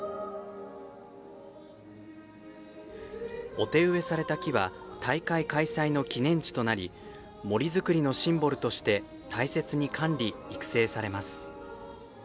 お手植えされた木は大会開催の記念樹となり森づくりのシンボルとして大切に管理、育成されます。